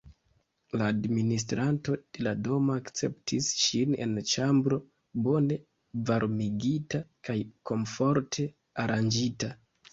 La administranto de la domo akceptis ŝin en ĉambro bone varmigita kaj komforte aranĝita.